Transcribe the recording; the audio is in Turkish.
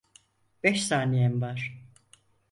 Beş saniyen var.